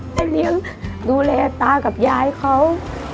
เลี้ยงดูแลตากับยายเขา